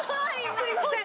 すいません